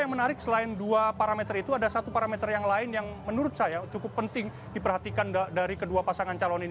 yang menarik selain dua parameter itu ada satu parameter yang lain yang menurut saya cukup penting diperhatikan dari kedua pasangan calon ini